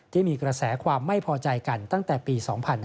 ที่มีกระแสความไม่พอใจกันตั้งแต่ปี๒๕๕๙